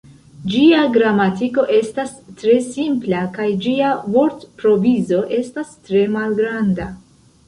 Ĝia gramatiko estas tre simpla kaj ĝia vortprovizo estas tre malgranda.